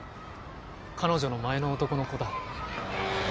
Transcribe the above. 彼女の前の男の子だ。